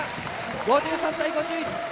５３対５１。